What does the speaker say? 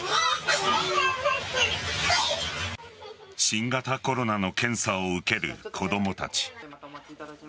新型コロナの検査を受ける子供たち。